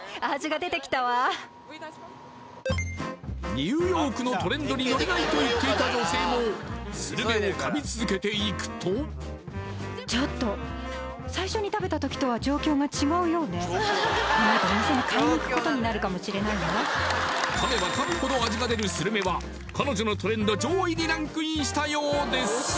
ニューヨークのトレンドに乗れないと言っていた女性もスルメをかもしれないわ噛めば噛むほど味が出るスルメは彼女のトレンド上位にランクインしたようです